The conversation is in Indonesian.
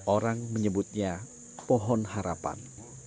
orang menyebutnya pohon harapan